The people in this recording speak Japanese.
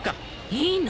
いいの？